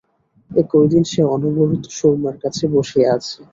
এ কয়দিন সে অনবরত সুরমার কাছে বসিয়া আছে।